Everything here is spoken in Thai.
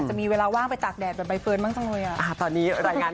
ก็ไม่ค่ะไม่ได้มูค่ะ